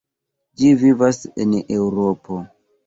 Ĝi vivas en Eŭropo.